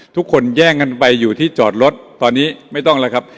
ทุกคนแย่งกันไปอยู่ที่จอดรถตอนนี้ไม่ต้องแล้วครับ